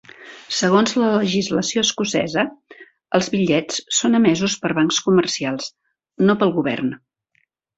Segons la legislació escocesa, els bitllets són emesos per bancs comercials, no pel Govern.